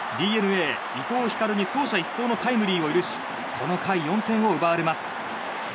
ＤｅＮＡ、伊藤光に走者一掃のタイムリーを許しこの回４点を奪われます。